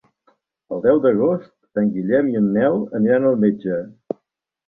El deu d'agost en Guillem i en Nel aniran al metge.